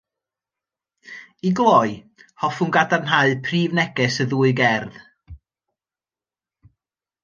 I gloi, hoffwn gadarnhau prif neges y ddwy gerdd